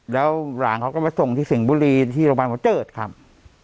แล้วหลานเขาก็มาส่งที่สิงห์บุรีที่โรงพยาบาลหัวเจิดครับ